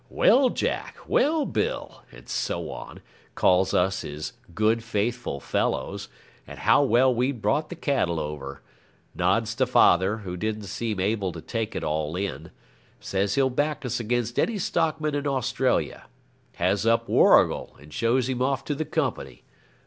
'Well, Jack! Well, Bill!' and so on, calls us his good faithful fellows, and how well we'd brought the cattle over; nods to father, who didn't seem able to take it all in; says he'll back us against any stockmen in Australia; has up Warrigal and shows him off to the company.